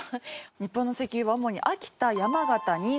日本の石油は主に秋田山形新潟